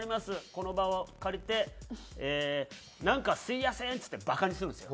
「この場を借りてなんかすいやせん」っつってバカにするんですよ。